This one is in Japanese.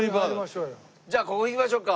じゃあここ行きましょうか。